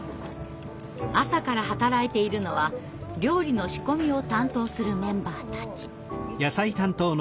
朝から働いているのは料理の仕込みを担当するメンバーたち。